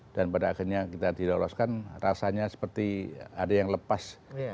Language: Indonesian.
dan pada akhirnya kita diloloskan rasanya seperti ada yang lepas